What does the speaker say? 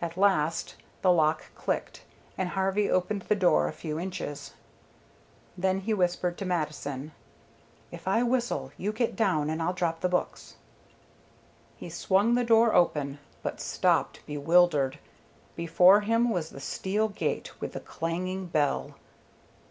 At last the lock clicked, and Harvey opened the door a few inches, then he whispered to Mattison, "If I whistle, you get down and I'll drop the books." He swung the door open, but stopped bewildered. Before him was the steel gate with the clanging bell.